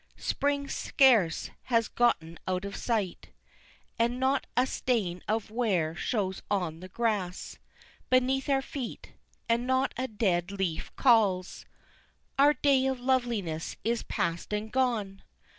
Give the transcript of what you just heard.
Spring scarce has gotten out of sight And not a stain of wear shows on the grass Beneath our feet, and not a dead leaf calls, "Our day of loveliness is past and gone!"